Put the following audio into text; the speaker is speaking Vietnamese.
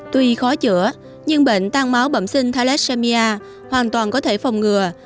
tuy khó chữa nhưng bệnh tan máu bẩm sinh thale hoàn toàn có thể phòng ngừa